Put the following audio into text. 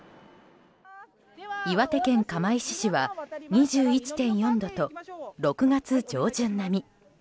岩手県釜石市は２１．４度と６月上旬並み。